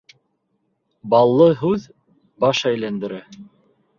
Баллы һүҙ баш әйләндерә.